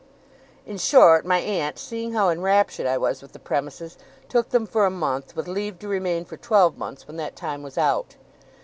In short, my aunt, seeing how enraptured I was with the premises, took them for a month, with leave to remain for twelve months when that time was out.